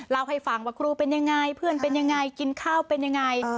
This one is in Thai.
เล่าให้ฟังว่าครูเป็นยังไงเพื่อนเป็นยังไงกินข้าวเป็นยังไง